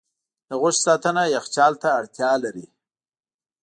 د غوښې ساتنه یخچال ته اړتیا لري.